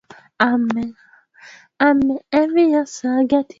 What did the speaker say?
ndio maana ukapewa jina la Kichi